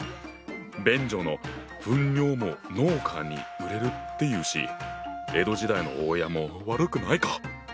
便所の糞尿も農家に売れるっていうし江戸時代の大家も悪くないか！